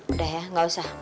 udah ya gak usah